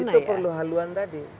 itu perlu haluan tadi